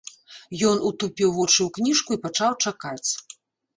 Ён утупіў вочы ў кніжку і пачаў чакаць.